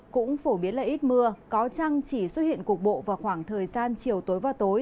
cũng phổ biến là ít mưa có trăng chỉ xuất hiện cục bộ vào khoảng thời gian chiều tối và tối